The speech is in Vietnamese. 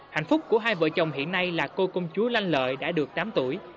hạnh phúc của hai vợ chồng hiện nay là cô công chúa lanh lợi đã được tám tuổi